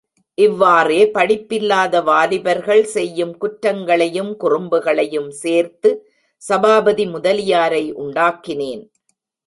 இவ்வாறே படிப்பில்லாத வாலிபர்கள் செய்யும் குற்றங்களையும் குறும்புகளையும் சேர்த்து சபாபதி முதலியாரை உண்டாக்கினேன்.